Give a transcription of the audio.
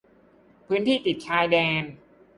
พื้นที่ติดชายแดน